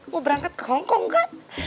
mau berangkat ke hong kong kan